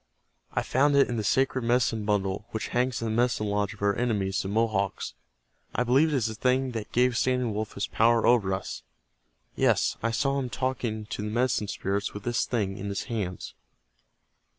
"I found it in the sacred Medicine Bundle, which hangs in the Medicine Lodge of our enemies, the Mohawks. I believe it is the thing that gave Standing Wolf his power over us. Yes, I saw him talking to the Medicine Spirits with this thing in his hands."